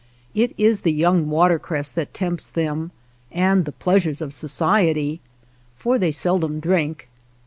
It is the young watercress that tempts them and the pleasures of society, for they seldom drink.